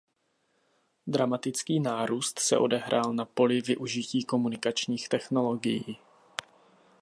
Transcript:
Dramatický nárůst se odehrál na poli využití komunikačních technologií.